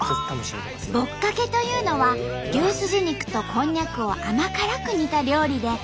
「ぼっかけ」というのは牛すじ肉とこんにゃくを甘辛く煮た料理で長田のソウルフードなんと！